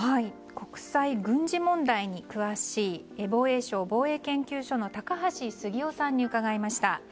国際軍事問題に詳しい、防衛省防衛研究所の高橋杉雄さんに伺いました。